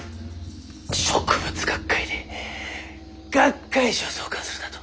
植物学会で学会誌を創刊するだと？